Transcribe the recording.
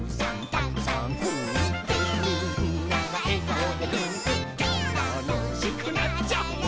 「たのしくなっちゃうね」